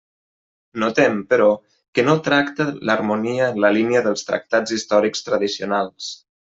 Notem, però, que no tracta l'harmonia en la línia dels tractats històrics tradicionals.